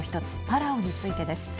パラオについてです。